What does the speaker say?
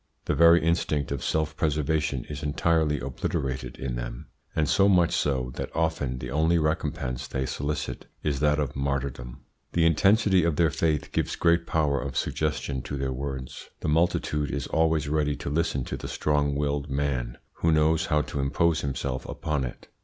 The very instinct of self preservation is entirely obliterated in them, and so much so that often the only recompense they solicit is that of martyrdom. The intensity of their faith gives great power of suggestion to their words. The multitude is always ready to listen to the strong willed man, who knows how to impose himself upon it.